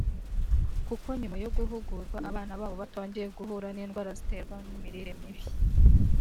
kuko nyuma yo guhugurwa abana babo batongeye guhura n’indwara ziterwa n’imirire mibi